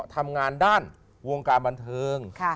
ทำงานด้านวงการบันเทิง